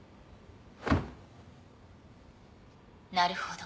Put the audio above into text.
なるほど。